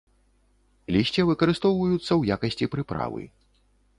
Лісце выкарыстоўваюцца ў якасці прыправы.